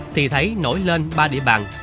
thì thấy nổi lên ba địa bàn